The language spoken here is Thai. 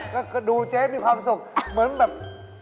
ก็ดูเจ๊มีความสุขเหมือนแบบ